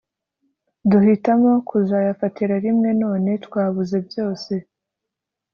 duhitamo kuzayafatira rimwe none twabuze byose